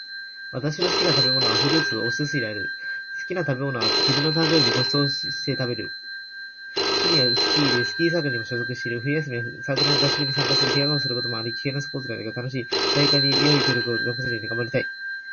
私の好きな食べ物は、フルーツとお寿司である。好きな食べ物は自分の誕生日にごちそうとして食べる。趣味はスキーで、スキーサークルにも属している。冬休みは、サークルの合宿に参加する。怪我をすることもあり危険なスポーツであるが、楽しい。大会でいい記録を残せるように頑張りたい。